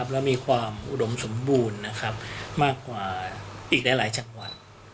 และมีความอุดมสมบูรณ์มากกว่าอีกหลายจังหวัด